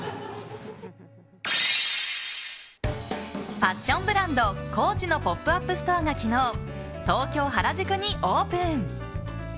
ファッションブランドＣＯＡＣＨのポップアップストアが昨日、東京・原宿にオープン。